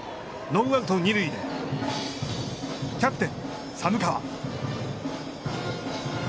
ノーアウト、二塁でキャプテン寒川。